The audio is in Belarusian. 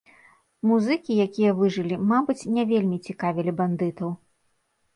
Музыкі, якія выжылі, мабыць, не вельмі цікавілі бандытаў.